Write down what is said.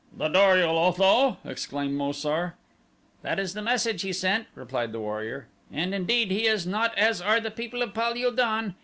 "The Dor ul Otho!" exclaimed Mo sar. "That is the message he sent," replied the warrior, "and indeed he is not as are the people of Pal ul don.